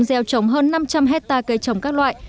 gieo trống hơn năm trăm linh hectare cây trồng các loại